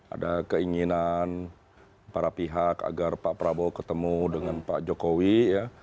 ada keinginan para pihak agar pak prabowo ketemu dengan pak jokowi ya